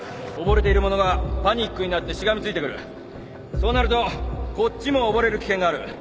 そうなるとこっちも溺れる危険がある。